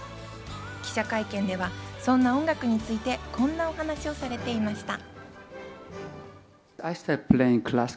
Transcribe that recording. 記者会見ではそんな音楽について、こんなお話をされていました。